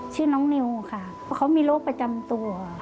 ชื่อน้องนิวค่ะเพราะเขามีโรคประจำตัว